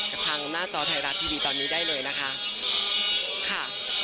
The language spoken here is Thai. กับทางหน้าจอไทยรัฐทีวีตอนนี้ได้เลยนะคะค่ะ